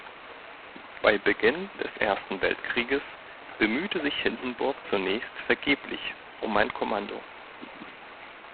Bei Beginn des Ersten Weltkrieges bemühte sich Hindenburg zunächst vergeblich um ein Kommando.